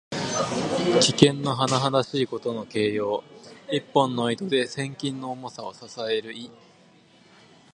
危険のはなはだしいことの形容。一本の糸で千鈞の重さを支える意。